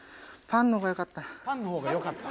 「パンの方がよかった」。